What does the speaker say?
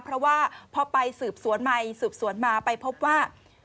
เพราะว่าพอไปสืบสวนใหม่สืบสวนมาไปพบว่า